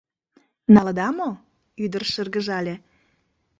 — Налыда мо? — ӱдыр шыргыжале.